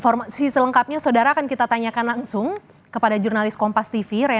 rapat paripurna juga akan membahas tentang revisi undang undang kementerian